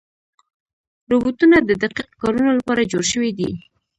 روبوټونه د دقیق کارونو لپاره جوړ شوي دي.